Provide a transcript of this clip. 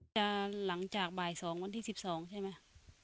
จะหลังจากบ่ายสองวันที่สิบสองใช่ไหม